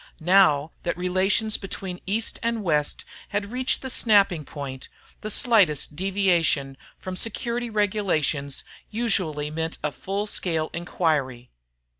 Now that relations between East and West had reached the snapping point, the slightest deviation from security regulations usually meant a full scale inquiry.